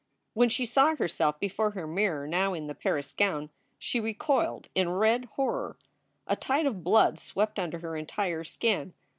When she saw herself before her mirror now in the Paris gown she recoiled in red horror. A tide of blood swept under her entire skin.